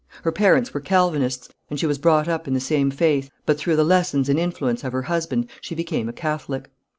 Her parents were Calvinists, and she was brought up in the same faith, but through the lessons and influence of her husband she became a Catholic.